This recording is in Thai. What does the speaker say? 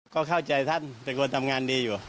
ก็เข้าใจท่านเป็นคนทำงานดีอยู่